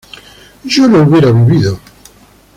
yo no hubiera vivido